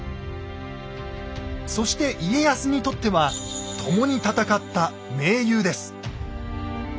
そして家康にとっては共に戦った盟友です。